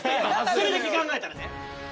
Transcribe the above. それだけ考えたらね。